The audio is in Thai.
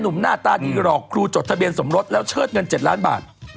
หน้าตาดีหลอกครูจดทะเบียนสมรสแล้วเชิดเงิน๗ล้านบาท